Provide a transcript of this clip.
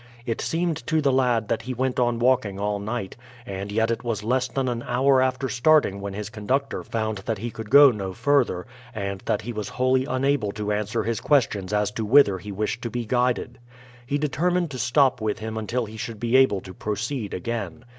It seemed to the lad that he went on walking all night, and yet it was less than an hour after starting when his conductor found that he could go no further, and that he was wholly unable to answer his questions as to whither he wished to be guided. He determined to stop with him until he should be able to proceed again.